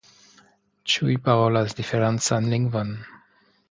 Ĉiuj parolas diferencan lingvon.